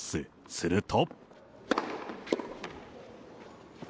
すると。